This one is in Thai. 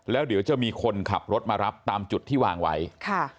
แล้วเดี๋ยวจะมีคนขับรถมารับตามจุดที่วางไว้ค่ะ